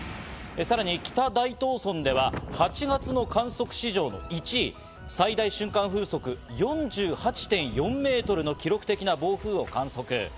さらに北大東村では８月の観測史上１位、最大瞬間風速４８．４メートルの記録的な暴風を観測。